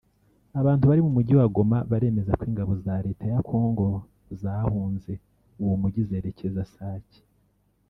Abantu bari mu mujyi wa Goma baremeza ko ingabo za Leta ya Congo zahunze uwo mujyi zerekeza Sake